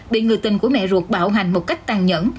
bị người tình của mẹ ruột bạo hành một cách tàn nhẫn